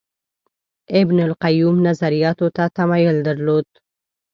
ابن القیم نظریاتو ته تمایل درلود